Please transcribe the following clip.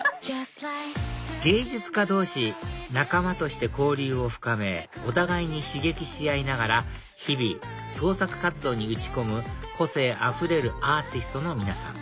芸術家同士仲間として交流を深めお互いに刺激し合いながら日々創作活動に打ち込む個性あふれるアーティストの皆さん